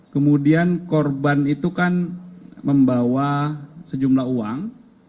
kemudian korban itu kan membawa sejumlah uang